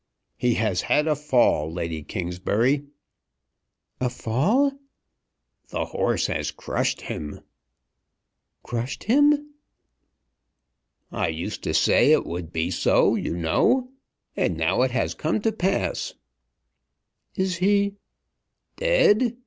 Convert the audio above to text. "He has had a fall, Lady Kingsbury." "A fall!" "The horse has crushed him." "Crushed him!" "I used to say it would be so, you know. And now it has come to pass." "Is he ?" "Dead?